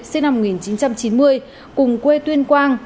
sinh năm một nghìn chín trăm chín mươi cùng quê tuyên quang